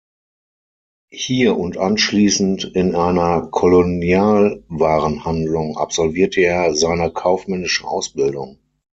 Hier und anschließend in einer Kolonialwarenhandlung absolvierte er seine kaufmännische Ausbildung.